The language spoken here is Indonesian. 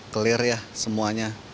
clear ya semuanya